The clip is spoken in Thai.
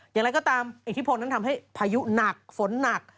อย่างไรก็ตามอิทธิพลนั้นทำให้พายุหนักฝนหนัก